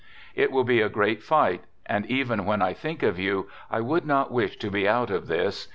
It will be a great fight, and even when I think of you, I would not wish to be out of this.